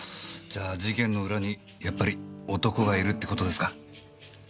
じゃあ事件の裏にやっぱり男がいるって事ですか？